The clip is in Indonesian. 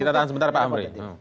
kita tahan sebentar pak afriyadi